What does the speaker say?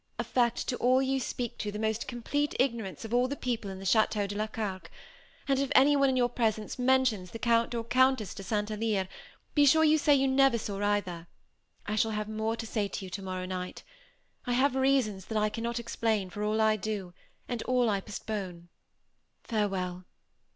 Affect to all you speak to, the most complete ignorance of all the people in the Château de la Carque; and, if anyone in your presence mentions the Count or Countess de St. Alyre, be sure you say you never saw either. I shall have more to say to you tomorrow night. I have reasons that I cannot now explain, for all I do, and all I postpone. Farewell.